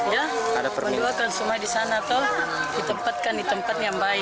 ya semua di sana ditempatkan di tempat yang baik